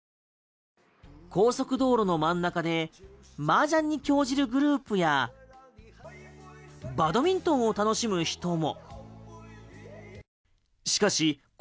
高速道路の真ん中でマージャンに興じるグループやバドミントンを楽しむ人も。